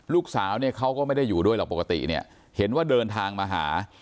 ลูกสาวเนี่ยเขาก็ไม่ได้อยู่ด้วยหรอกปกติเนี่ยเห็นว่าเดินทางมาหา